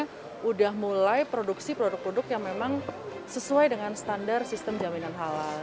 sudah mulai produksi produk produk yang memang sesuai dengan standar sistem jaminan halal